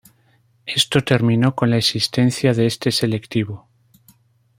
Esto terminó con la existencia de este selectivo.